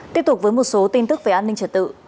tiếp tục với một số tin tức về an ninh trật tự